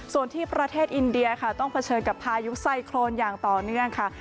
ส่วนที่ประเทศอินเดียค่ะต้องเผชิญกับพายุไซโครนอย่างต่อเนื่องค่ะ